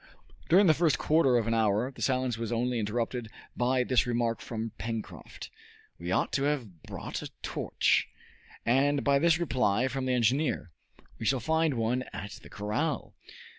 During the first quarter of an hour the silence was only interrupted by this remark from Pencroft: "We ought to have brought a torch." And by this reply from the engineer: "We shall find one at the corral."